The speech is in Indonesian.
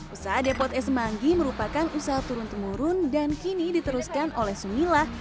usaha depot es manggi merupakan usaha turun temurun dan kini diteruskan oleh sumilah